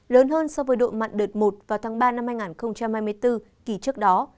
lớn hơn so với độ mặn đợt một vào tháng ba năm hai nghìn hai mươi bốn kỳ trước đó